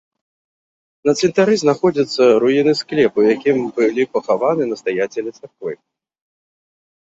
На цвінтары знаходзяцца руіны склепа, у якім былі пахаваны настаяцелі царквы.